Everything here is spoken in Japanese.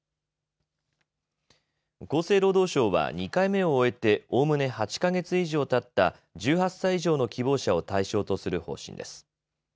厚生労働省は２回目を終えておおむね８か月以上たった１８歳以上の希望者を対象とする方針です。